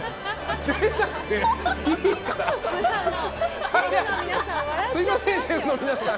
出なくていいから！